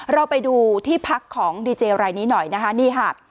เราไปดูที่พักของดีเจรายนี้หน่อยนะคะนี่ค่ะ